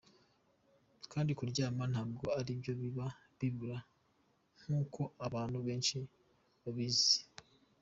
kandi kuryama ntabwo aribyo biba bibura nkuko abantu benshi babizi.